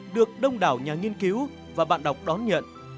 được đông đảo nhà nghiên cứu và bạn đọc đón nhận